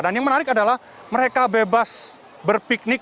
dan yang menarik adalah mereka bebas berpiknik